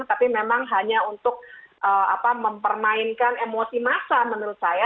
tapi memang hanya untuk mempermainkan emosi massa menurut saya